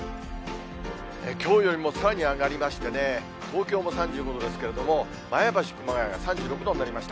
きょうよりもさらに上がりましてね、東京も３５度ですけれども、前橋、熊谷３６度になりました。